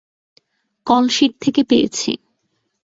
Call sheet থেকে পেয়েছি।